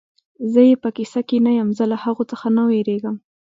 زه یې په کیسه کې نه یم، زه له هغو څخه نه وېرېږم.